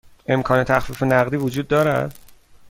امکان تخفیف نقدی وجود دارد؟